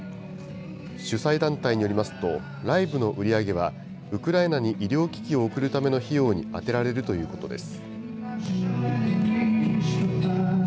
主催団体によりますと、ライブの売り上げはウクライナに医療機器を送るための費用に充てられるということです。